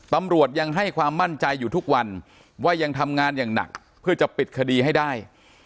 ตำรวจยังให้ความมั่นใจอยู่ทุกวันว่ายังทำงานอย่างหนักเพื่อจะปิดคดีให้ได้